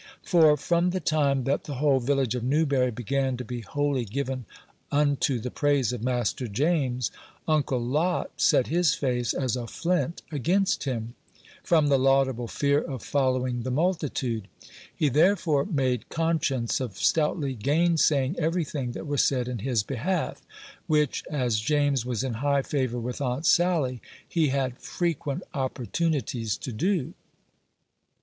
For, from the time that the whole village of Newbury began to be wholly given unto the praise of Master James, Uncle Lot set his face as a flint against him from the laudable fear of following the multitude. He therefore made conscience of stoutly gainsaying every thing that was said in his behalf, which, as James was in high favor with Aunt Sally, he had frequent opportunities to do.